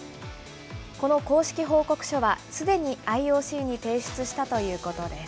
この公式報告書は、すでにＩＯＣに提出したということです。